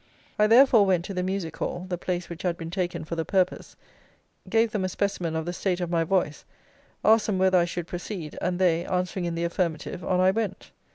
I, therefore, went to the Music Hall, the place which had been taken for the purpose, gave them a specimen of the state of my voice, asked them whether I should proceed, and they, answering in the affirmative, on I went.